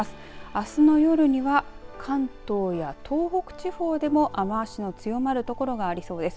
あすの夜には関東や東北地方でも雨足の強まる所がありそうです。